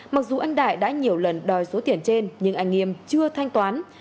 mặc dù anh đại đã nhiều lần đòi số tiền trên nhưng anh nghiêm chưa thanh toán